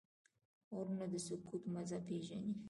غوږونه د سکوت مزه پېژني